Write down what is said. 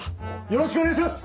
よろしくお願いしまっす！